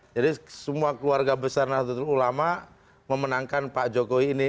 jadi semua keluarga besar nahdlatul ulama memenangkan pak jokowi ini